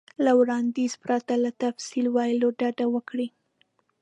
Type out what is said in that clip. له وړاندیز پرته له تفصیل ویلو ډډه وکړئ.